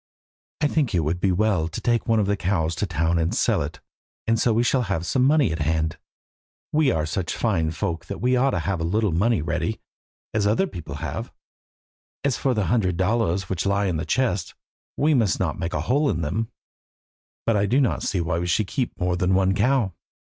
"I think it would be well to take one of the cows to town and sell it, and so we shall have some money at hand. We are such fine folk that we ought to have a little ready money, as other people have. As for the hundred dollars which lie in the chest, we must not make a hole in them, but I do not see why we should keep more than one cow.